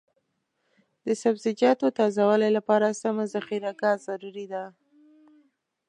د سبزیجاتو تازه والي لپاره سمه ذخیره ګاه ضروري ده.